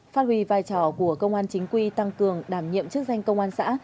phát huy vai trò của công an chính quy tăng cường đảm nhiệm chức danh công an xã